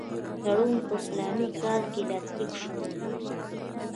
تړون په فلاني کال کې لاسلیک شو.